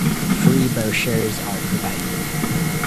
Free brochures are provided.